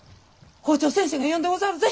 校長先生が呼んでござるぜ。